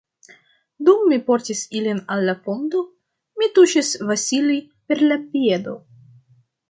Dum mi portis ilin al la fonto, mi tuŝis Vasili per la piedo.